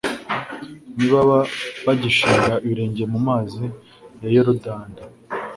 nibaba bagishinga ibirenge mu mazi ya yorudani